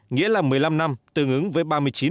nghĩa là một mươi năm năm tương ứng với ba mươi chín